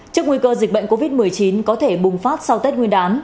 trước nguy cơ dịch bệnh covid một mươi chín có thể bùng phát sau tết nguyên đán